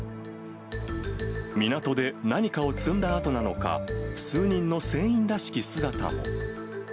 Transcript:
港で何かを積んだあとなのか、数人の船員らしき姿も。